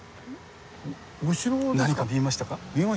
何か見えましたか？